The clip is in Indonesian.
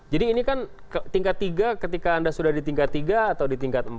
jadi ini kan tingkat tiga ketika anda sudah di tingkat tiga atau di tingkat empat